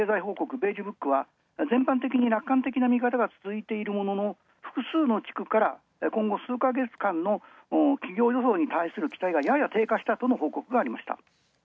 全般的に楽観的な見方が続いているものの複数の地区から今後数ヶ月間の企業予想に対する期待がやや低下したとの報告がありました。